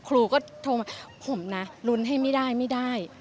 ครูก็โทรมาผมนะลุ้นให้ไม่ได้ไม่ได้